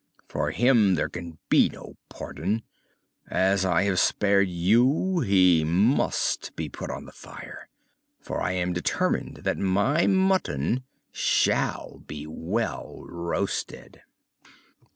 "For him there can be no pardon. As I have spared you he must be put on the fire, for I am determined that my mutton shall be well roasted."